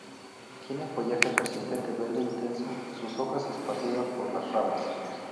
Tiene follaje persistente verde intenso; sus hojas esparcidas por las ramas.